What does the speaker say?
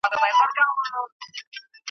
پر منبر دي ډیري توی کړې له مکارو سترګو اوښکي .